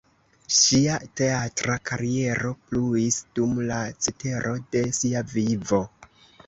Ŝia teatra kariero pluis dum la cetero de sia vivo.